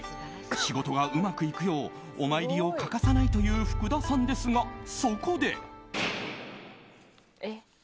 仕事がうまくいくようお参りを欠かさないという福田さんですが、そこで。